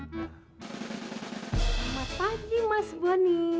selamat pagi mas bonny